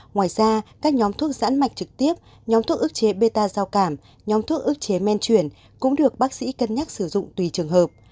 ngoài ra các nhóm thuốc giãn mạch trực tiếp nhóm thuốc ức chế bê ta giao cảm nhóm thuốc ức chế men chuyển cũng được bác sĩ cân nhắc sử dụng tùy trường hợp